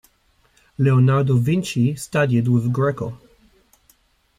Leonardo Vinci studied with Greco.